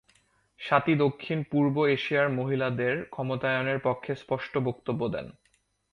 স্বাতী দক্ষিণ পূর্ব এশিয়ার মহিলাদের ক্ষমতায়নের পক্ষে স্পষ্ট বক্তব্য দেন।